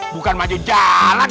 bukan maju jalan